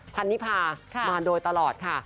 พันนิพามาโดยตลอดค่ะ